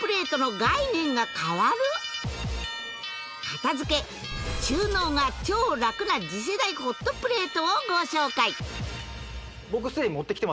片付け収納が超ラクな次世代ホットプレートをご紹介